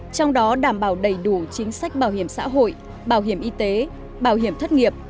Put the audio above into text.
trong đó đảm bảo đầy đủ chính sách bảo hiểm xã hội bảo hiểm y tế bảo hiểm thất nghiệp